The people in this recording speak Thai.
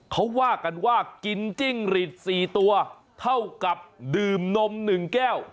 เขาว่ากันว่ากินจิ้งหลีด๔ตัวเท่ากับดื่มนม๑แก้ว